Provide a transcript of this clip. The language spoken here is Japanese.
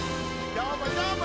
どーもどーも！